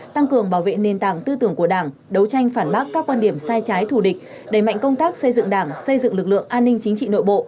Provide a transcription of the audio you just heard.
tăng cường bảo vệ nền tảng tư tưởng của đảng đấu tranh phản bác các quan điểm sai trái thù địch đẩy mạnh công tác xây dựng đảng xây dựng lực lượng an ninh chính trị nội bộ